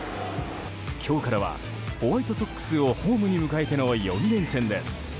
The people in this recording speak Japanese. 今日からは、ホワイトソックスをホームに迎えての４連戦です。